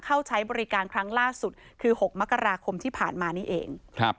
ใช้บริการครั้งล่าสุดคือ๖มกราคมที่ผ่านมานี่เอง